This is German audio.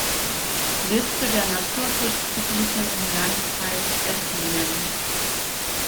Liste der Naturschutzgebiete im Landkreis Esslingen